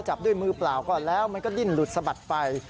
จับด้วยมือเปล่าก่อนแล้วมันก็ดิ้นหลุดสะบัดไป